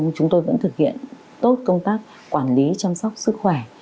chúng tôi vẫn thực hiện tốt công tác quản lý chăm sóc sức khỏe